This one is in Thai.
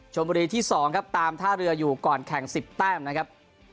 ชมบุรีที่๒ครับตามท่าเรืออยู่ก่อนแข่ง๑๐แต้มนะครับ